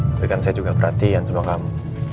tapi kan saya juga perhatian sama kamu